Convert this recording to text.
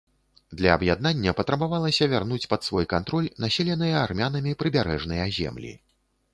Для аб'яднання патрабавалася вярнуць пад свой кантроль населеныя армянамі прыбярэжныя землі.